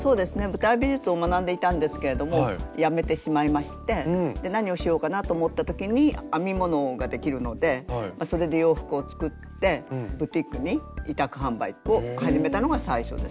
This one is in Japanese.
舞台美術を学んでいたんですけれどもやめてしまいまして何をしようかなと思った時に編み物ができるのでそれで洋服を作ってブティックに委託販売を始めたのが最初ですね。